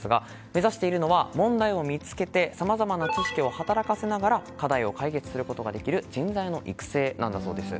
目指しているのは問題を見つけてさまざまな知識を働かせながら課題を解決することができる人材の育成なんだそうです。